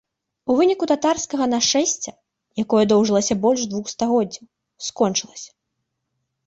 У выніку татарскага нашэсця, якое доўжылася больш двух стагоддзяў, скончылася.